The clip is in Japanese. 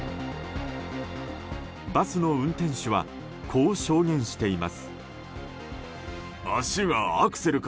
バスの運転手はこう証言しています。